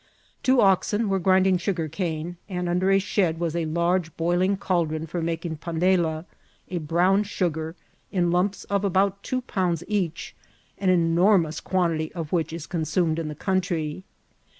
Two oxen were grinding sugarcane, and under a Aed was a large bmling caldron for making panela, a brown sugar, in lumps of about two pounds each, an enor mous quantity of which is consumed in the country.